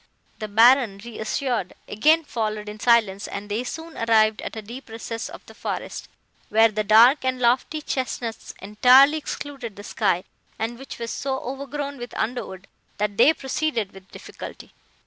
"The Baron, reassured, again followed in silence, and they soon arrived at a deep recess of the forest, where the dark and lofty chesnuts entirely excluded the sky, and which was so overgrown with underwood, that they proceeded with difficulty.